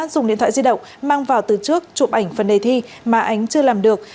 dùng điện thoại di động mang vào từ trước chụp ảnh phần đề thi mà ánh chưa làm được